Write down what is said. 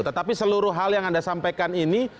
tetapi seluruh hal yang anda sampaikan ini